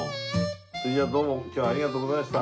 それじゃあどうも今日はありがとうございました。